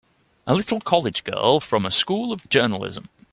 A little college girl from a School of Journalism!